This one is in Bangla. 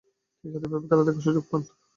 তিনি স্বাধীনভাবে খেলা দেখাবার সুযোগ পান।